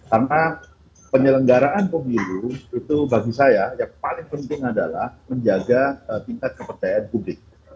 karena penyelenggaraan pemilu itu bagi saya yang paling penting adalah menjaga tingkat kepercayaan publik